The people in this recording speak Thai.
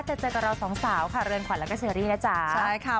เจอเจอกับเราสองสาวค่ะเรือนขวัญแล้วก็เชอรี่นะจ๊ะใช่ค่ะ